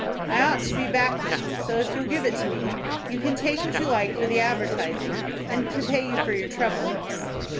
I ought to be back now; so if you'll give it to me, you can take what you like for the advertising, and to pay you for your trouble."